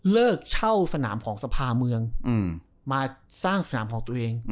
เลิกเช่าสนามของสภาเมืองมาสร้างสนามของตัวเอง